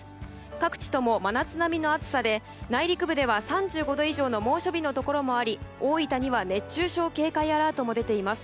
各地とも、真夏並みの暑さで内陸部では３５度以上の猛暑日のところもあり大分には熱中症警戒アラートも出ています。